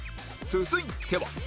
続いては